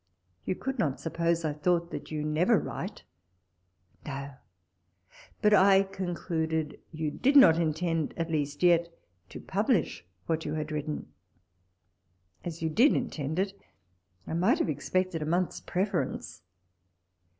You could not suppose I thought that you never write. No ; but I concluded you did not intend, at least yet, to publish what you had written. As you did intend it, I might have expected a month's preference.